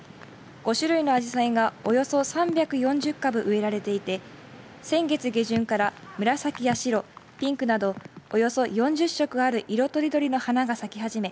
５種類のアジサイがおよそ３４０株植えられていて先月下旬から紫や白、ピンクなどおよそ４０色ある色とりどりの花が咲き始め